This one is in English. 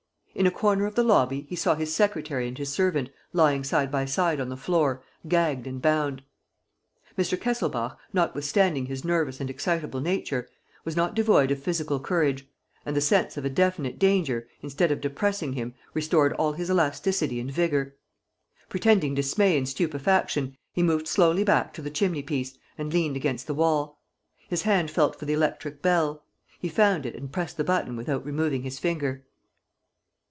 In a corner of the lobby he saw his secretary and his servant lying side by side on the floor, gagged and bound. Mr. Kesselbach, notwithstanding his nervous and excitable nature, was not devoid of physical courage; and the sense of a definite danger, instead of depressing him, restored all his elasticity and vigor. Pretending dismay and stupefaction, he moved slowly back to the chimneypiece and leant against the wall. His hand felt for the electric bell. He found it and pressed the button without removing his finger.